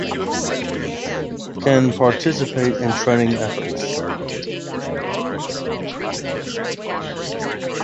Can participate in training efforts.